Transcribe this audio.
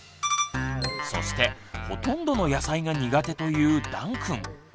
そしてほとんどの野菜が苦手というだんくん。